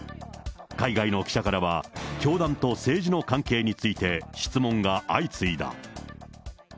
海外の記者からは教団と政治の関係について、質問が相次いだ。